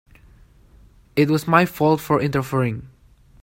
It was my fault for interfering.